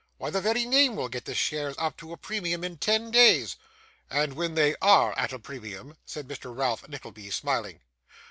Why the very name will get the shares up to a premium in ten days.' 'And when they ARE at a premium,' said Mr. Ralph Nickleby, smiling.